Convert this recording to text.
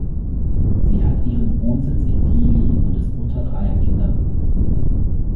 Sie hat ihren Wohnsitz in Dili und ist Mutter dreier Kinder.